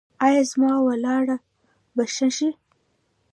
ایا زما ولاړه به ښه شي؟